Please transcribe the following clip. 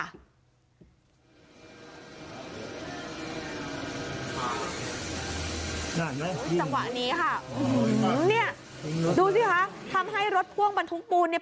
จังหวะนี้ค่ะอื้อเนี่ยดูสิคะทำให้รถพ่วงบรรทุกปูนเนี่ย